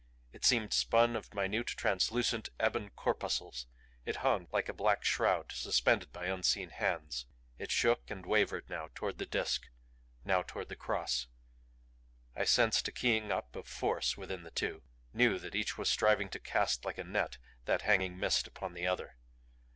It seemed spun of minute translucent ebon corpuscles. It hung like a black shroud suspended by unseen hands. It shook and wavered now toward the Disk, now toward the Cross. I sensed a keying up of force within the two; knew that each was striving to cast like a net that hanging mist upon the other.